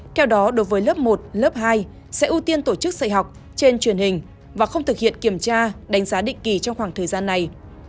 theo đó đối với lớp một lớp hai sẽ ưu tiên tổ chức dạy học trên truyền hình và không thực hiện kiểm tra đánh giá định kỳ trong khoảng thời gian này